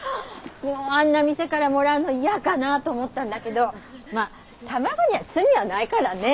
もうあんな店からもらうのイヤかなと思ったんだけどまあ卵には罪はないからね。